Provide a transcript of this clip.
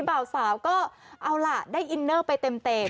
เบาสาวก็เอาล่ะได้อินเนอร์ไปเต็ม